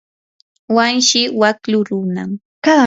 wanshi waklu runam.